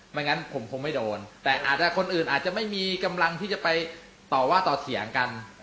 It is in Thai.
งั้นผมคงไม่โดนแต่อาจจะคนอื่นอาจจะไม่มีกำลังที่จะไปต่อว่าต่อเถียงกัน